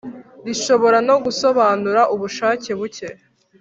Rishobora no gusobanura ubushake buke.